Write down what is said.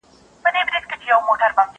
زه به سبا د ښوونځی لپاره تياری وکړم!